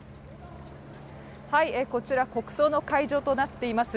こちら国葬の会場となっています